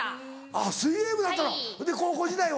あぁ水泳部やったのほいで高校時代は？